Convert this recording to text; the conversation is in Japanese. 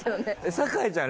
酒井ちゃん